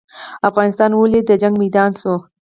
افغانستان ولې د جګړو میدان شو؟